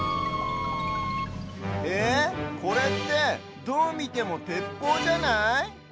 えこれってどうみてもてっぽうじゃない？